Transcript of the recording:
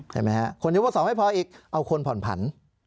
เห็นไหมคะคนยังพวกสองไม่พออีกเอาคนผ่อนผัน